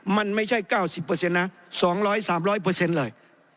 มันไม่ใช่๙๐นะ๒๐๐๓๐๐เลย